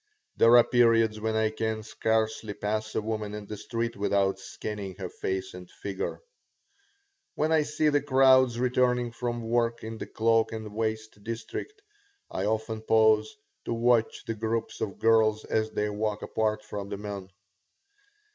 There are periods when I can scarcely pass a woman in the street without scanning her face and figure. When I see the crowds returning from work in the cloak and waist district I often pause to watch the groups of girls as they walk apart from the men.